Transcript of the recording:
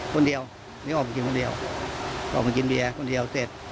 คนเดียวนึกออกมากินคนเดียวออกมากินเบียร์คนเดียวเสร็จ